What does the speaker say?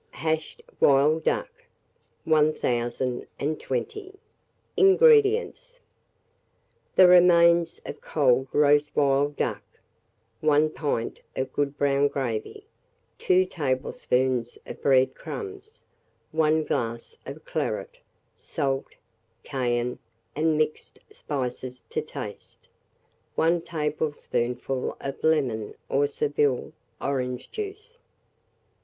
HASHED WILD DUCK. 1020. INGREDIENTS. The remains of cold roast wild duck, 1 pint of good brown gravy, 2 tablespoonfuls of bread crumbs, 1 glass of claret, salt, cayenne, and mixed spices to taste; 1 tablespoonful of lemon or Seville orange juice.